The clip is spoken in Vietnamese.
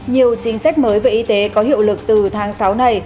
nhiều chính sách mới về y tế có hiệu lực từ tháng sáu này